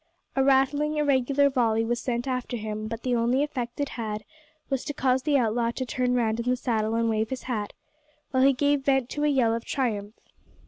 A rattling irregular volley was sent after him, but the only effect it had was to cause the outlaw to turn round in the saddle and wave his hat, while he gave vent to a yell of triumph.